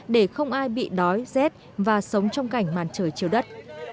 để không ai bị đói rét và sống trong cảnh màn trời chiều đất